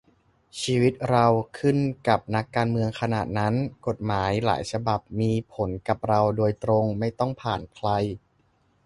ชีวิตเราขึ้นกับนักการเมืองขนาดนั้น ? กฎหมายหลายฉบับมีผลกับเราโดยตรง ไม่ต้องผ่านใคร